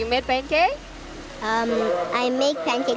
untuk kalau apa bisa ald irani